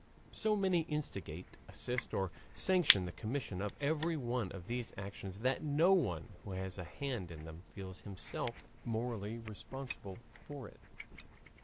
So many instigate, assist, or sanction the commission of every one of these actions that no one who has a hand in them feels himself morally responsible for it.